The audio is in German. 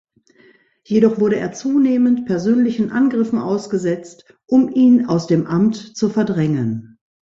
Jedoch wurde er zunehmend persönlichen Angriffen ausgesetzt, um ihn aus dem Amt zu verdrängen.